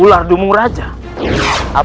ular dumung raja